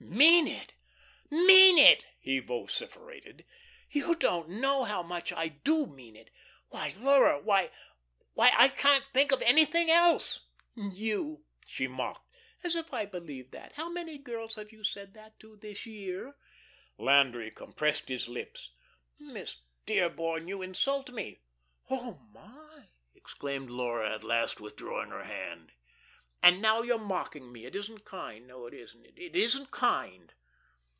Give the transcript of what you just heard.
"Mean it! Mean it!" he vociferated. "You don't know how much I do mean it. Why, Laura, why why, I can't think of anything else." "You!" she mocked. "As if I believed that. How many other girls have you said it to this year?" Landry compressed his lips. "Miss Dearborn, you insult me." "Oh, my!" exclaimed Laura, at last withdrawing her hand. "And now you're mocking me. It isn't kind. No, it isn't; it isn't kind."